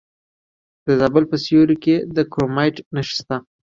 د زابل په سیوري کې د کرومایټ نښې شته.